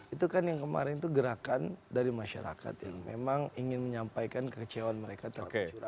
itu kan yang kemarin itu gerakan dari masyarakat yang memang ingin menyampaikan kekecewaan mereka terhadap curah